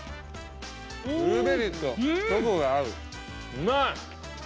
うまい！